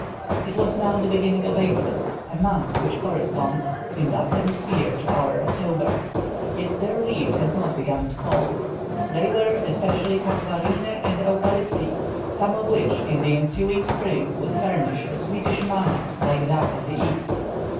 It was now the beginning of April, a month which corresponds in that hemisphere to our October, yet their leaves had not begun to fall. They were, especially, casuarinæ and eucalypti, some of which, in the ensuing spring, would furnish a sweetish manna like that of the East.